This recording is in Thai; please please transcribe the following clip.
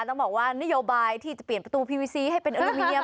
ต้องบอกว่านโยบายที่จะเปลี่ยนประตูเพียงพอกับแปลวันโอเนม